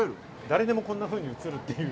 誰でもこんなふうに写るっていう。